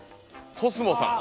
コスモさん。